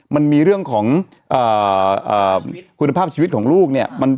มันมีเรื่องของคุณภาพชีวิตของลูกเนี่ย